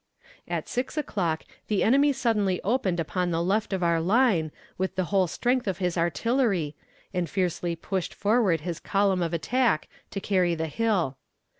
At six o'clock the enemy suddenly opened upon the left of our line with the whole strength of his artillery, and fiercely pushed forward his column of attack to carry the hill.